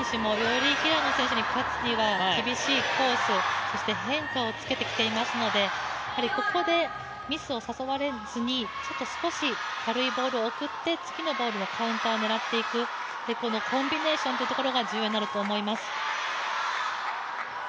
陳夢選手もより平野選手に勝つには厳しいコース、そして変化をつけてきていますので、ここでミスを誘われずに少し軽いボールを送って、次のボールはカウンターを狙っていく、コンビネーションというところが重要になると思います。